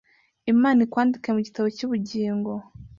Imana ikwandike mugitabo cyubugingo